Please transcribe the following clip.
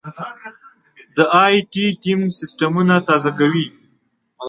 دا ائ ټي ټیم سیستمونه تازه کوي.